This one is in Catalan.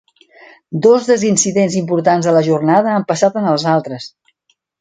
Dos dels incidents importants de la jornada han passat en els altres.